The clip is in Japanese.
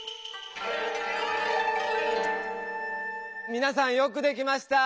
みなさんよくできました！